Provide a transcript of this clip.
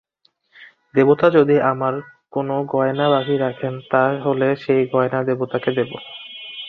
দেবতা যদি আমার কোনো গয়না বাকি রাখেন তা হলে সেই গয়না দেবতাকে দেব।